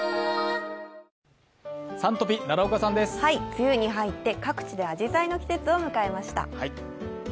梅雨に入って、各地であじさいの季節を迎えました。